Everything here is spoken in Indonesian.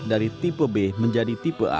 dari tipe b menjadi tipe a